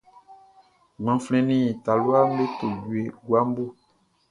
Gbanflɛn nin talua me to jue guabo.